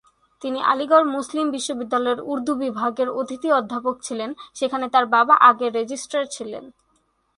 তিনি আলিগড় মুসলিম বিশ্ববিদ্যালয়ের উর্দু বিভাগের অতিথি অধ্যাপক ছিলেন, সেখানে তার বাবা আগে রেজিস্ট্রার ছিলেন।